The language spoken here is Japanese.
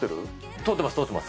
通ってます、通ってます。